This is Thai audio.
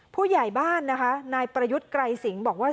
ผู้ใหญ่บ้านนะคะนายประยุทธ์ไกรสิงห์บอกว่า